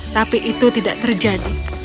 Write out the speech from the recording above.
tapi itu tidak terjadi